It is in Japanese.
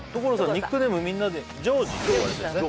ニックネームみんなに「ジョージ」って呼ばれてるんですね